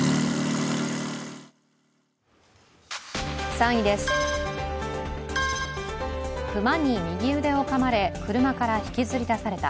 ３位です、熊に右腕をかまれ、車から引きずり出された。